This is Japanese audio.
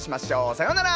さようなら。